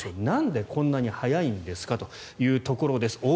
なんでこんなに速いんですかというところです。